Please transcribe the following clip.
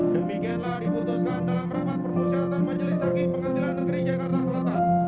demikianlah diputuskan dalam rapat permusyaratan majelis hakim pengadilan negeri jakarta selatan